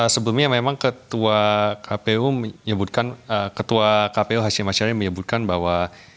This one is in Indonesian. sebelumnya memang ketua kpu hasyim hasyari menyebutkan bahwa